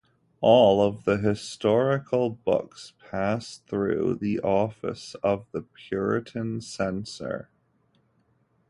All the historical books passed through the office of the Puritan censor.